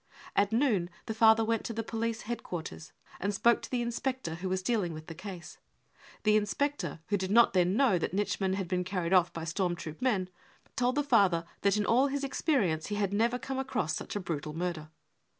At noon the father went to the police headquarters and ? spoke to the inspector who was dealing with the case. The I inspector, who did not then know that Nitschmann had j been carried off by storm troop men, told the father that in all his experience he had never come across such a brutal murder.